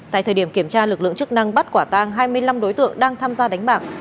tại thời điểm kiểm tra lực lượng chức năng bắt quả tang hai mươi năm đối tượng đang tham gia đánh bạc